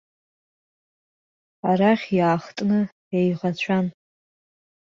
Арахь иаахтны еиӷацәан.